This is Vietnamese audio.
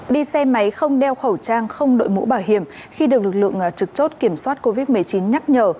đi xe máy không đeo khẩu trang không đội mũ bảo hiểm khi được lực lượng trực chốt kiểm soát covid một mươi chín nhắc nhở